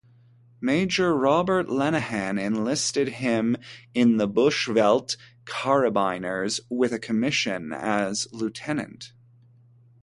Major Robert Lenehan enlisted him in the Bushveldt Carbineers with a commission as Lieutenant.